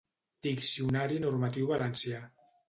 Diccionari normatiu valencià.